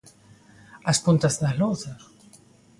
As puntas da Louza.